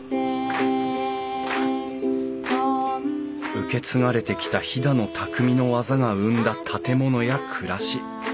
受け継がれてきた飛騨の匠の技が生んだ建物や暮らし。